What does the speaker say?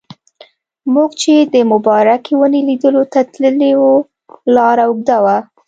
موږ چې د مبارکې ونې لیدلو ته تللي وو لاره اوږده وه.